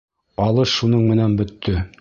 Алыш шуның менән бөттө.